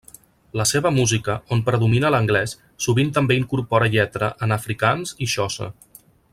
La seva música, on predomina l'anglès, sovint també incorpora lletra en afrikaans i xosa.